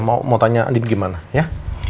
mau tanya andin gimana ya